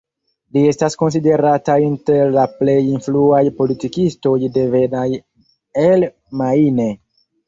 Li estas konsiderata inter la plej influaj politikistoj devenaj el Maine.